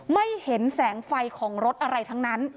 ไม่เห็นแสงไฟของรถอะไรทั้งนั้น